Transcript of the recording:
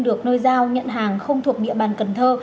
được nơi giao nhận hàng không thuộc địa bàn cần thơ